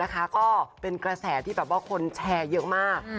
ก็เป็นกระแสที่แบบว่าคนแชร์เยอะมาก